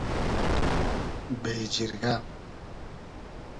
بېجیرگۂ